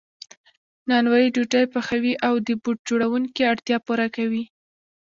نانوای ډوډۍ پخوي او د بوټ جوړونکي اړتیا پوره کوي